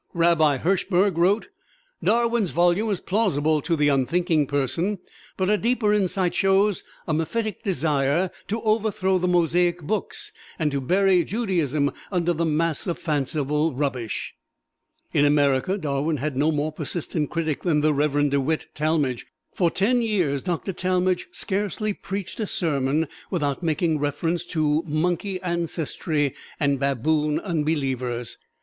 Rabbi Hirschberg wrote, "Darwin's volume is plausible to the unthinking person; but a deeper insight shows a mephitic desire to overthrow the Mosaic books and to bury Judaism under a mass of fanciful rubbish." In America Darwin had no more persistent critic than the Reverend DeWitt Talmage. For ten years Doctor Talmage scarcely preached a sermon without making reference to "monkey ancestry" and "baboon unbelievers."